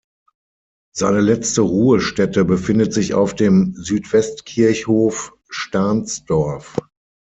Seine letzte Ruhestätte befindet sich auf dem Südwestkirchhof Stahnsdorf.